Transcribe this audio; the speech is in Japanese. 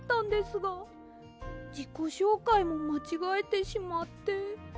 じこしょうかいもまちがえてしまって。